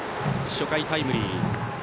初回、タイムリー。